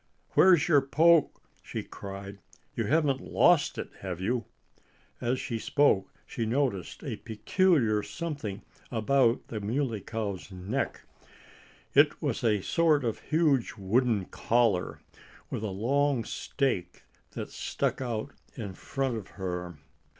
"Where's your poke?" she cried. "You haven't lost it have you?" As she spoke she noticed a peculiar something about the Muley Cow's neck. It was a sort of huge wooden collar, with a long stake that stuck out in front of her.